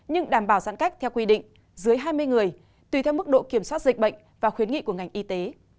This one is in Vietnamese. nhưng đảm bảo giãn cách theo quy định dưới hai mươi người tùy theo mức độ kiểm soát dịch bệnh và khuyến nghị của ngành y tế